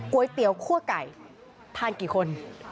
ก๋วยเตี๋ยวคั่วไก่ทานกี่คน